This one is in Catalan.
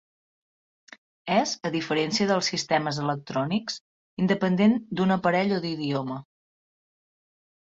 És, a diferència dels sistemes electrònics, independent d'un aparell o d'idioma.